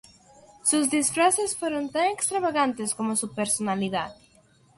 Sus disfraces fueron tan extravagantes como su personalidad.